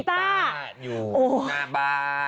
คุณแม่อยู่ลิคกีต้า